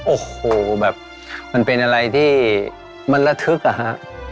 โอ้โหแบบมันเป็นอะไรที่มันระทึกอะฮะ